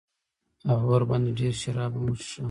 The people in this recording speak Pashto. هغه ورباندې ډېر شراب هم وڅښل.